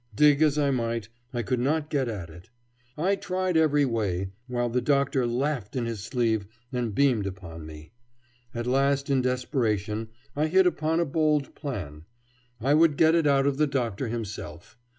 Dig as I might, I could not get at it. I tried every way, while the Doctor laughed in his sleeve and beamed upon me. At last, in desperation, I hit upon a bold plan. I would get it out of the Doctor himself.